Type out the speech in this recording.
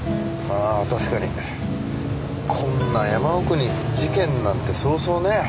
まあ確かにこんな山奥に事件なんてそうそうね。